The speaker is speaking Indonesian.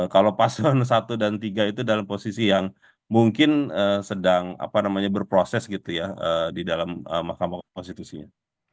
kalau paslon satu dan tiga itu dalam posisi yang mungkin sedang berproses gitu ya di dalam mahkamah konstitusinya